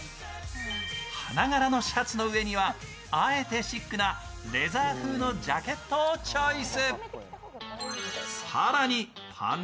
花柄のシャツの上にはあえてシックなレザー風のジャケットをチョイス。